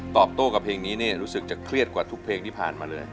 โต้กับเพลงนี้เนี่ยรู้สึกจะเครียดกว่าทุกเพลงที่ผ่านมาเลย